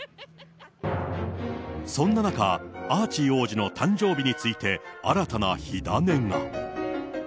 そんな中、アーチー王子の誕生日について、新たな火種が。